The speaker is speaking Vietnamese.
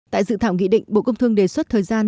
tại dự thảo nghị định bộ công thương đề xuất thời gian